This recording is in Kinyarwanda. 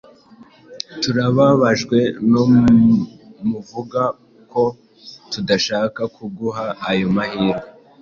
Turababajwe no muvuga ko tudashaka kuguha ayo mahirwe.